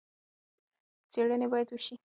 څېړنې باید وشي.